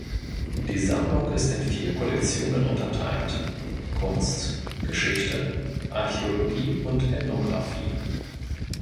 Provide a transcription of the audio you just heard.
Die Sammlung ist in vier Kollektionen unterteilt: Kunst, Geschichte, Archäologie und Ethnographie.